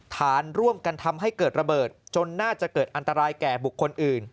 ฐานร่วมกันทำให้เกิดระเบิดจนน่าจะเกิดอันตรายแก่บุคคลอื่น